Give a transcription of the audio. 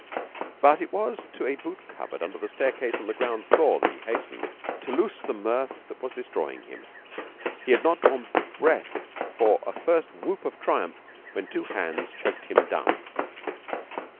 But it was to a boot cupboard under the staircase on the ground floor that he hastened, to loose the mirth that was destroying him. He had not drawn breath for a first whoop of triumph when two hands choked him dumb.